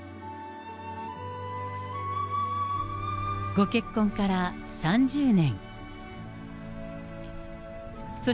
ご結婚から３０年。